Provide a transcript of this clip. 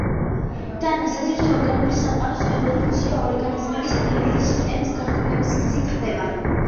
დანას აზრით, ორგანული სამყაროს ევოლუცია ორგანიზმების ნერვული სისტემის გართულების გზით ხდება.